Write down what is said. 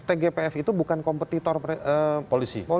tgpf itu bukan kompetitor polisi